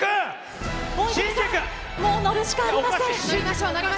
もう乗るしかありません。